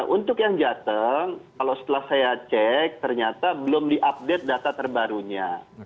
untuk yang jateng kalau setelah saya cek ternyata belum diupdate data terbarunya